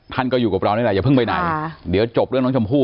ท่านก็อยู่กับเรานี่แหละอย่าเพิ่งไปไหนเดี๋ยวจบเรื่องน้องชมพู่